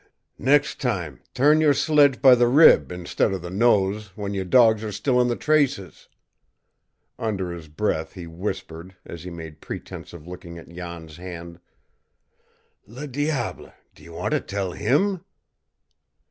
"Next time, turn your sledge by the rib instead of the nose, when your dogs are still in the traces!" Under his breath he whispered, as he made pretense of looking at Jan's hand: "Le diable, do you want to tell HIM?"